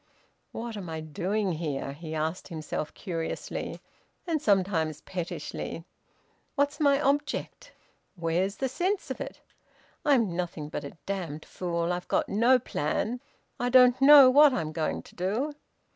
"What am I doing here?" he asked himself curiously, and sometimes pettishly. "What's my object? Where's the sense of it? I'm nothing but a damned fool. I've got no plan. I don't know what I'm going to do."